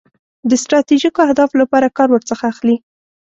د ستراتیژیکو اهدافو لپاره کار ورڅخه اخلي.